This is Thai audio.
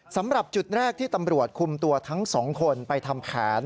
สำหรับจุดแรกที่ตำรวจคุมตัวทั้งสองคนไปทำแผน